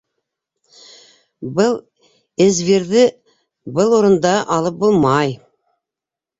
Был эзвирҙе был урында алып бумай...